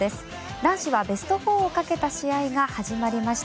男子はベスト４をかけた試合が始まりました。